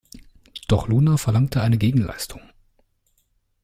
Doch Luna verlangte eine Gegenleistung.